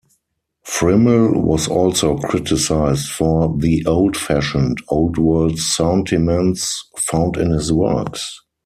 Friml was also criticized for the old-fashioned, Old World sentiments found in his works.